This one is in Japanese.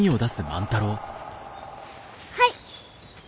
はい！